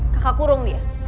kakak kurung dia